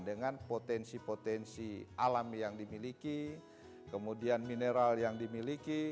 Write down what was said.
dengan potensi potensi alam yang dimiliki kemudian mineral yang dimiliki